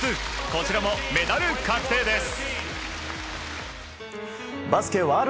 こちらもメダル確定です。